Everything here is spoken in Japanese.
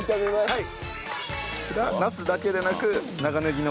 はい。